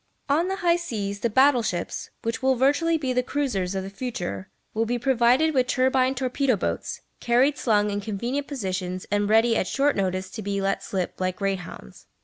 On the high seas the battle ships, which will virtually be the cruisers of the future, will be provided with turbine torpedo boats, carried slung in convenient positions and ready at short notice to be let slip like greyhounds.